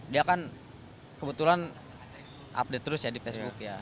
dia kan kebetulan update terus ya di facebook ya